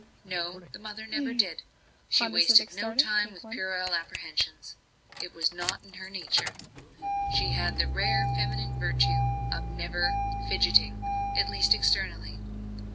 No, the mother never did. She wasted no time in puerile apprehensions it was not her nature; she had the rare feminine virtue of never "fidgetting" at least, externally.